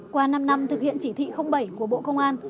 qua năm năm thực hiện chỉ thị bảy của bộ công an